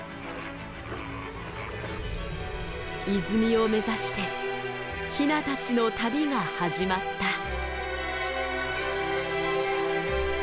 泉を目指してヒナたちの旅が始まった。